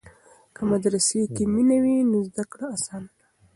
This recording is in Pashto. که مدرسې کې مینه وي نو زده کړه اسانه ده.